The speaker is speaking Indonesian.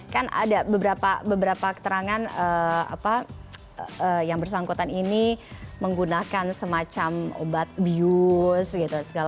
kan ada beberapa keterangan yang bersangkutan ini menggunakan semacam obat bius